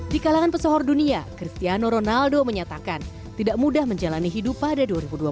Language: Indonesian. di kalangan pesohor dunia cristiano ronaldo menyatakan tidak mudah menjalani hidup pada dua ribu dua puluh